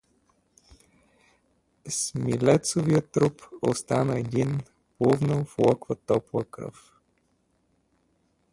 Смилецовия труп остана един, плувнал в локва топла кръв.